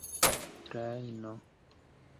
trajno